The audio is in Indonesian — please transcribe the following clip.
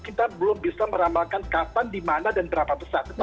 kita belum bisa meramalkan kapan dimana dan berapa besar